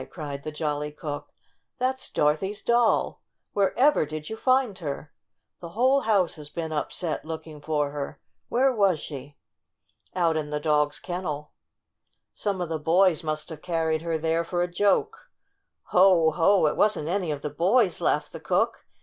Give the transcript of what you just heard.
cried the jolly cook. "That's Dorothy's doll! Where ever did you find her ? The whole house has been upset looking for her. Where was she?" "Out in the dog's kennel. Some of the boys must have carried her there for a joke." "Ho ! Ho ! It wasn't any of the boys !" laughed the cook.